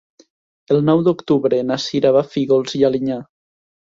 El nou d'octubre na Cira va a Fígols i Alinyà.